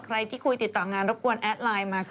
ใครที่คุยติดต่องานรบกวนแอดไลน์มา